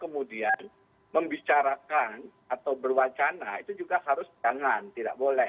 kemudian membicarakan atau berwacana itu juga harus jangan tidak boleh